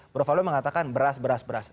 bro valdo mengatakan beras beras beras